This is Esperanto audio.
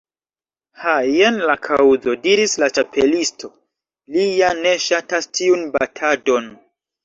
"Ha, jen la kaŭzo," diris la Ĉapelisto. "Li ja ne ŝatas tiun batadon.